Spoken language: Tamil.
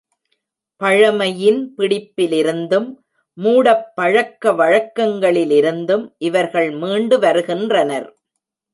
பழமையின் பிடிப்பிலிருந்தும், மூடப்பழக்க வழக்கங்களிலிருந்தும் இவர்கள் மீண்டு வருகின்றனர்.